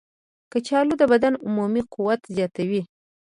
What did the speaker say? کچالو د بدن عمومي قوت زیاتوي.